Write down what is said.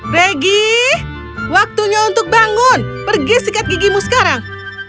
regi waktunya untuk bangun pergi sikat gigimu sekarang